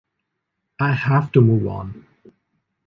I have to move on.